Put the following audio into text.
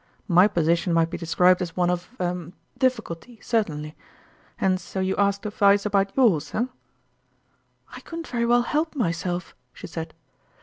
"My position might be described as one of er difficulty, certainly. And so you asked advice about yours, eh ?"" I couldn't very well help myself," she said.